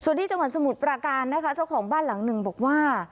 ส่วนที่จังหวัดสมุทรปราการนะคะเจ้าของบ้านหลังหนึ่งบอกว่า